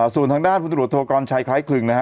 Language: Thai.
ส่วนทางด้านพลตรวจโทกรชัยคล้ายคลึงนะฮะ